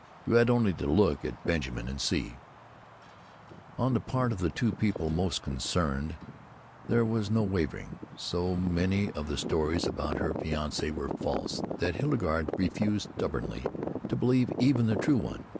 You had only to look at Benjamin and see. On the part of the two people most concerned there was no wavering. So many of the stories about her fiancé were false that Hildegarde refused stubbornly to believe even the true one.